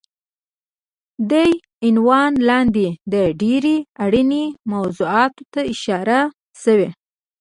دې عنوان لاندې د ډېرې اړینې موضوعاتو ته اشاره شوی دی